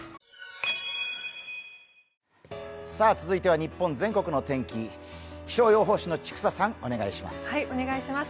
続いては日本全国の天気、気象予報士の千種さん、お願いします。